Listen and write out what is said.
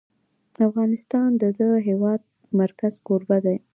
افغانستان د د هېواد مرکز کوربه دی.